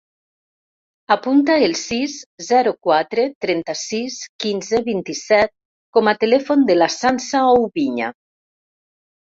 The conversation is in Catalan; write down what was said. Apunta el sis, zero, quatre, trenta-sis, quinze, vint-i-set com a telèfon de la Sança Oubiña.